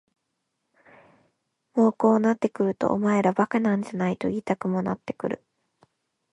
もうこうなってくるとお前ら馬鹿なんじゃないと言いたくもなってくる。